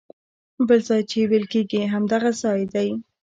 بل ځای چې ویل کېږي همدغه ځای دی.